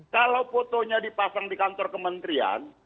kalau fotonya dipasang di kantor kementerian